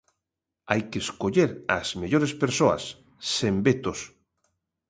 Hai que escoller as mellores persoas, sen vetos.